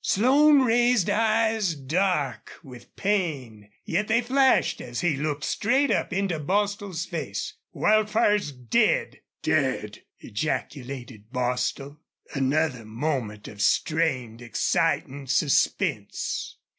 Slone raised eyes dark with pain, yet they flashed as he looked straight up into Bostil's face. "Wildfire's dead!" "DEAD!" ejaculated Bostil. Another moment of strained exciting suspense.